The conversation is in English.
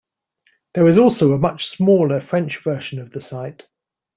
There is also a much smaller French version of the site.